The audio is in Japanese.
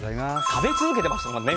食べ続けてましたもんね